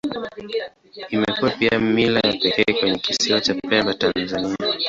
Imekuwa pia mila ya pekee kwenye Kisiwa cha Pemba, Tanzania.